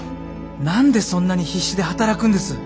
何でそんなに必死で働くんです？